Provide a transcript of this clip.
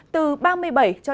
từ ba mươi bảy ba mươi tám độ